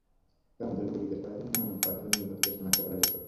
কারণ, ধলুকে জিজ্ঞাসাবাদ করা গেলে মানব পাচারের মূলহোতাদের শনাক্ত করা যেত।